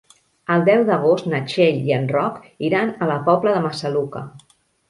El deu d'agost na Txell i en Roc iran a la Pobla de Massaluca.